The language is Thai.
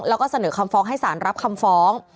แล้วก็เสนอคำฟ้องให้สารรับคำฟ้อง